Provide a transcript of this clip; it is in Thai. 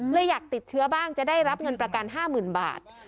อยากติดเชื้อบ้างจะได้รับเงินประกัน๕๐๐๐บาท